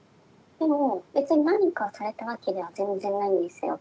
でも別に何かされたわけでは全然ないんですよ。